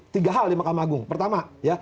tiga hal di makam agung pertama ya